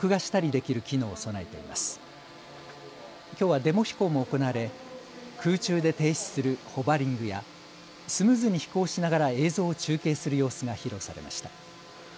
きょうはデモ飛行も行われ空中で停止するホバリングや、スムーズに飛行しながら映像を中継する様子が披露されました。